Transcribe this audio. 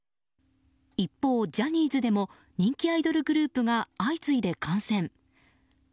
一方、ジャニーズでも人気アイドルグループが相次いで感染。